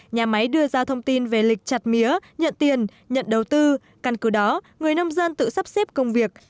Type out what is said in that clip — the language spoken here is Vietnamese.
nhà máy đưa ra thông tin về lịch chặt mía nhận tiền nhận đầu tư căn cứ đó người nông dân tự sắp xếp công việc